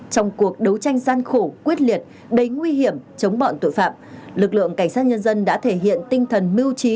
trong cuộc đấu tranh gian khổ quyết liệt đầy nguy hiểm chống bọn tội phạm lực lượng cảnh sát nhân dân đã thể hiện tinh thần mưu trí